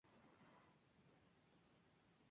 Es una especie propia de la región mediterránea.